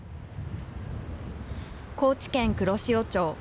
高知県黒潮町。